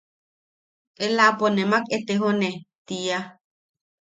Elaʼapo nemak etejone– tiia.